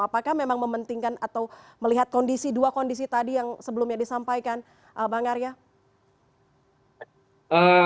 apakah memang mementingkan atau melihat kondisi dua kondisi tadi yang sebelumnya disampaikan bang arya